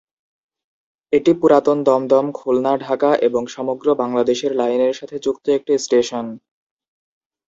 এটি পুরাতন দমদম-খুলনা-ঢাকা এবং সমগ্র বাংলাদেশের লাইনের সাথে যুক্ত একটি স্টেশন।